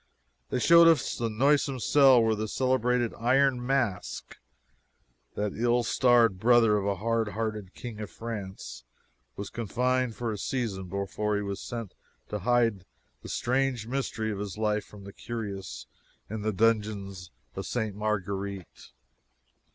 They showed us the noisome cell where the celebrated "Iron Mask" that ill starred brother of a hardhearted king of France was confined for a season before he was sent to hide the strange mystery of his life from the curious in the dungeons of Ste. Marguerite.